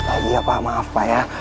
oh iya pak maaf pak ya